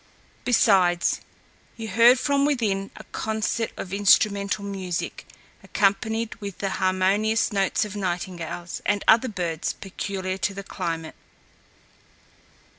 Besides, he heard from within a concert of instrumental music, accompanied with the harmonious notes of nightingales, and other birds, peculiar to the climate.